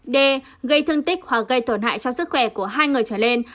d gây thương tích hoặc gây tổn hại cho sức khỏe của hai người trở lên